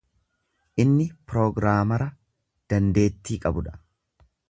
Inni piroogiraamara dandeettii qabu dha.